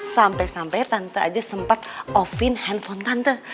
sampai sampai tante aja sempat off in handphone tante